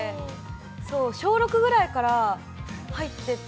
そう、小６ぐらいから入ってて。